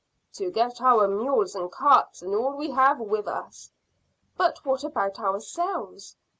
"To get our mules and carts, and all we have with us." "But what about ourselves?"